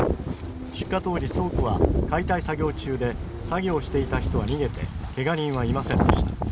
出火当時、倉庫は解体作業中で作業していた人は逃げてけが人はいませんでした。